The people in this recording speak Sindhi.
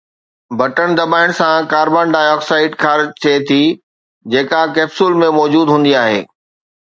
بٽڻ دٻائڻ سان ڪاربان ڊاءِ آڪسائيڊ خارج ٿئي ٿي، جيڪا ڪيپسول ۾ موجود هوندي آهي.